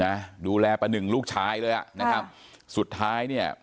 นะดูแลป้าหนึ่งลูกชายเลยอ่ะนะครับสุดท้ายเนี่ย